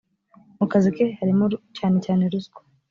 mu kazi ke harimo cyane cyane ruswa